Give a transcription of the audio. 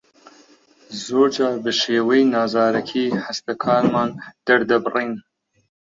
زۆرجار بە شێوەی نازارەکی هەستەکانمان دەردەبڕین.